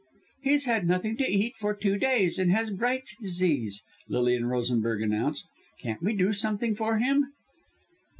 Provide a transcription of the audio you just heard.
"He's had nothing to eat for two days, and has Bright's Disease," Lilian Rosenberg announced. "Can't we do something for him?"